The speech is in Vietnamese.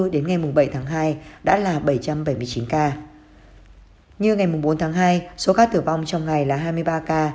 như ngày bảy tháng hai đã là bảy trăm bảy mươi chín ca như ngày bốn tháng hai số ca tử vong trong ngày là hai mươi ba ca